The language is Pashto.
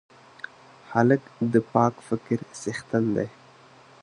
هلک د پاک فکر څښتن دی.